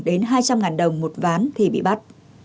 đến hai trăm linh đồng một ván thì bị bắt